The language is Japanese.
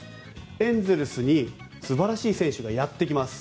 エンゼルスに素晴らしい選手がやってきます。